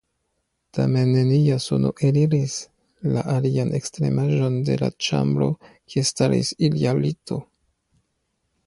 Tamen nenia sono eliris la alian ekstremaĵon de la ĉambro kie staris ilia lito.